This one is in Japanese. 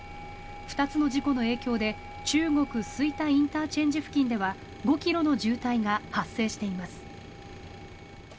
２つの事故の影響で中国吹田ＩＣ付近では５ｋｍの渋滞が発生しています。